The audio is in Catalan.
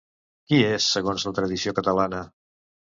Qui és, segons la tradició catalana?